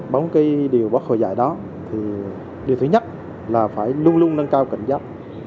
bóng cây điều bắt khởi giải đó thì điều thứ nhất là phải luôn luôn nâng cao cảnh giác